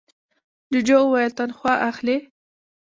جوجو وویل تنخوا اخلې؟